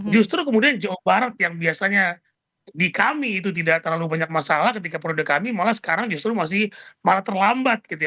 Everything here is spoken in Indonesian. justru kemudian jawa barat yang biasanya di kami itu tidak terlalu banyak masalah ketika produk kami malah sekarang justru masih malah terlambat gitu ya